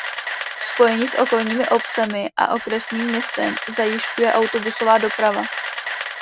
Spojení s okolními obcemi a okresním městem zajišťuje autobusová doprava.